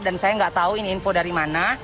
dan saya nggak tahu ini info dari mana